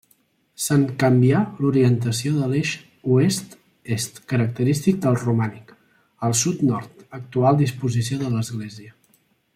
Se'n canvià l'orientació de l'eix oest-est característic del romànic, al sud-nord, actual disposició de l'església.